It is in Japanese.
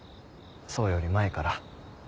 想より前から。